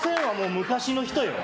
昔の人よ。